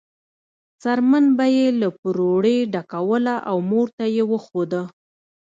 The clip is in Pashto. څرمن به یې له پروړې ډکوله او مور ته یې وښوده.